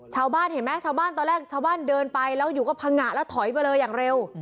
ชาวบ้านเห็นไหมชาวบ้านตอนแรกชาวบ้านเดินไปแล้วอยู่ก็พังงะแล้วถอยไปเลยอย่างเร็ว